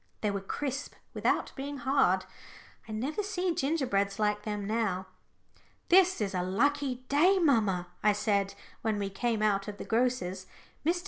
They were crisp without being hard. I never see gingerbreads like them now. "This is a lucky day, mamma," I said, when we came out of the grocer's. "Mr.